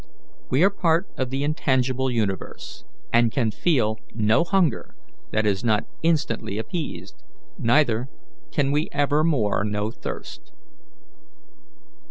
We are part of the intangible universe, and can feel no hunger that is not instantly appeased, neither can we ever more know thirst."